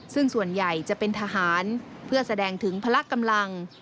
ซึ่งส่วนใหญ่จะเป็นทหารเพื่อแสดงถึงพละกำลัง